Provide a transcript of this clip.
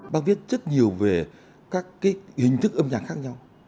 bác viết rất nhiều về các hình thức âm nhạc khác nhau